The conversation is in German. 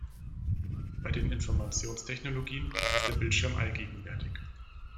Bei den Informationstechnologien ist der Bildschirm allgegenwärtig.